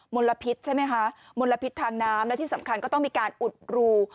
ลพิษใช่ไหมคะมลพิษทางน้ำและที่สำคัญก็ต้องมีการอุดรู